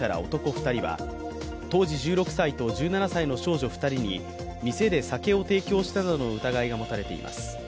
２人は当時１６歳と１７歳の少女２人に店で酒を提供したなどの疑いが持たれています。